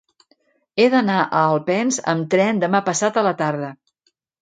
He d'anar a Alpens amb tren demà passat a la tarda.